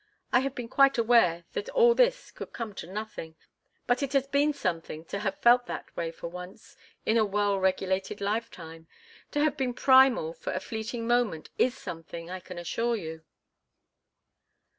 I have been quite aware that all this could come to nothing, but it has been something to have felt that way for once in a well regulated lifetime; to have been primal for a fleeting moment is something, I can assure you."